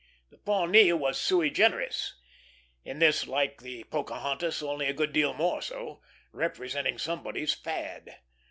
The Pawnee was sui generis; in this like the Pocahontas, only a good deal more so, representing somebody's fad.